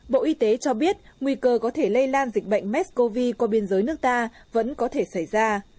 bộ y tế cho biết nguy cơ có thể lây lan dịch bệnh mesco qua biên giới nước ta vẫn có thể xảy ra